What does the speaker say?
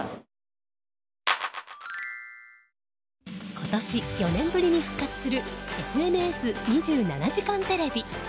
今年、４年ぶりに復活する「ＦＮＳ２７時間テレビ」。